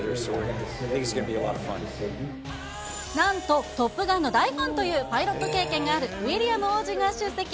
なんと、トップガンの大ファンというパイロット経験があるウィリアム王子が出席。